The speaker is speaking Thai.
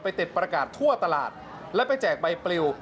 ติดประกาศทั่วตลาดแล้วไปแจกใบปลิว